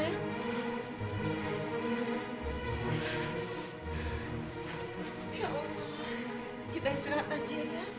ya allah kita istirahat aja ya